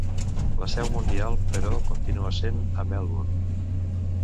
La seu mundial, però, continua sent a Melbourne.